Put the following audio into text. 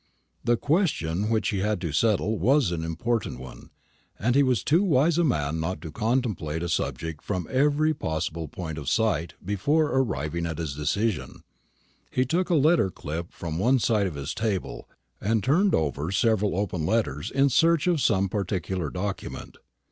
The question which he had to settle was an important one, and he was too wise a man not to contemplate a subject from every possible point of sight before arriving at his decision. He took a letter clip from one side of his table, and turned over several open letters in search of some particular document.